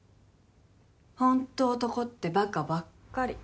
ホント男ってバカばっかり。